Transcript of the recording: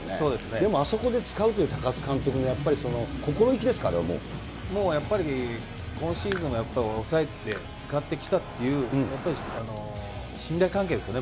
でもあそこで使うという高津監督のやっぱり心意気ですか、あれはもうやっぱり、今シーズン、抑えって使ってきたという、信頼関係ですよね。